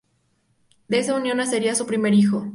De esa unión nacería su primer hijo.